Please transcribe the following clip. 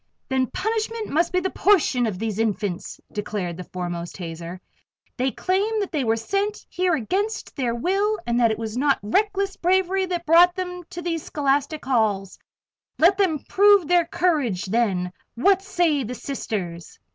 "Then punishment must be the portion of these Infants," declared the foremost hazer. "They claim that they were sent here against their will and that it was not reckless bravery that brought them to these scholastic halls. Let them prove their courage then what say the Sisters?"